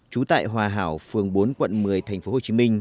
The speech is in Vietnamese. trú tại hòa hảo phường bốn quận một mươi tp hcm